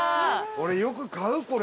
俺よく買うこれ。